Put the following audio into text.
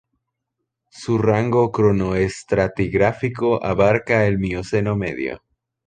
Su rango cronoestratigráfico abarca el Mioceno medio.